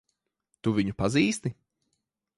Tu viņu pazīsti?